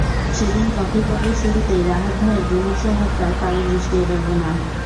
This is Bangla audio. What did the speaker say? সেদিন কফি পর্বের শুরুতেই রাহাত ভাইয়ের বিমর্ষ ভাবটা কারও দৃষ্টি এড়াল না।